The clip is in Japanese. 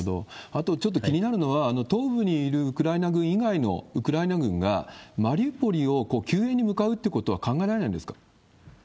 あとちょっと気になるのは、東部にいるウクライナ軍以外のウクライナ軍が、マリウポリを、救援に向かうということは考えられないんですか？